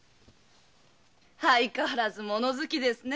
相変わらず物好きですね。